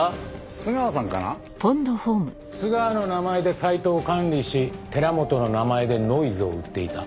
須川の名前でサイトを管理し寺本の名前でノイズを売っていた。